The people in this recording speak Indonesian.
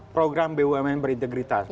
program bumn berintegritas